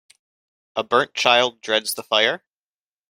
A burnt child dreads the fire.